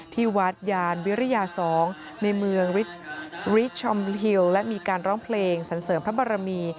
ที่วัดยานวิริยา๒ในเมืองริชชอมฮิวและมีการร้องเพลงสันเสริมพระบรมี